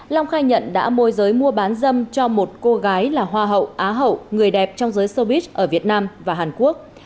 long khai nhận đã môi giới mua bán dâm cho một cô gái là hoa hậu á hậu người đẹp trong giới sobit ở việt nam và hàn quốc